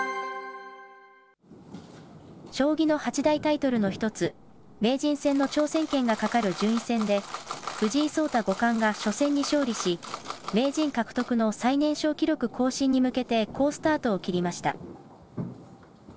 将棋の八大タイトルの一つ、名人戦の挑戦権がかかる順位戦で、藤井聡太五冠が初戦に勝利し、名人獲得の最年少記録更新に向けて好スタートを切りました。